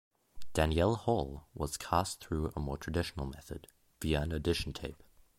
Dannielle Hall was cast through a more traditional method, via an audition tape.